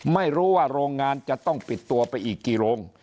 ไม่รู้ว่าโรงงานจะต้องปิดตัวไปอีกกี่โรง